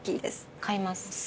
買います